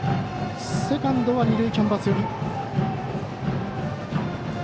セカンドは二塁キャンバス寄り。